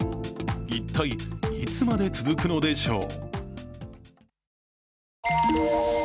一体いつまで続くのでしょう。